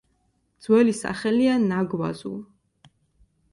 ძველი სახელია ნაგვაზუ.